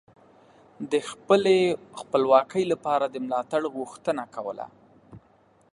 د خپلې خپلواکۍ لپاره د ملاتړ غوښتنه کوله